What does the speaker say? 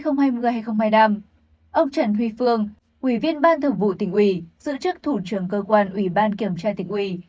ông trần huy phương ủy viên ban thường vụ tỉnh ủy giữ chức thủ trưởng cơ quan ủy ban kiểm tra tỉnh ủy